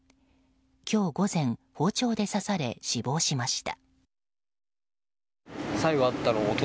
今日午前、包丁で刺され死亡しました。